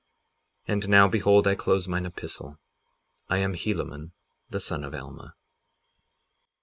And now, behold, I close mine epistle. I am Helaman, the son of Alma.